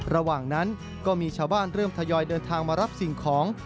ระหว่างนั้นก็มีชาวบ้านเริ่มทยอยเดินทางมารับสิ่งของ